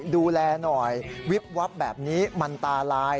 ดูแลหน่อยวิบวับแบบนี้มันตาลาย